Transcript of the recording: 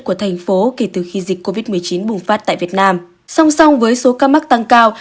của thành phố kể từ khi dịch covid một mươi chín bùng phát tại việt nam song song với số ca mắc tăng cao